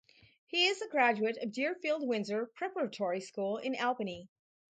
He is a graduate of Deerfield-Windsor Preparatory School in Albany.